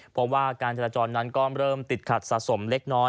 เพราะว่าการจราจรนั้นก็เริ่มติดขัดสะสมเล็กน้อย